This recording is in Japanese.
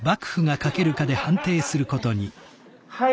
はい！